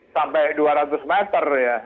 sampai dua ratus meter ya